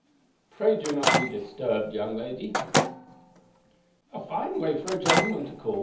"Pray do not be disturbed, young lady."_ _"A fine way for a gentleman to call!"